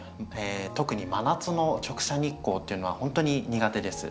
特に真夏の直射日光っていうのはほんとに苦手です。